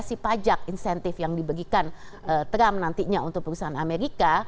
dan dengan pajak insentif yang diberikan trump nantinya untuk perusahaan amerika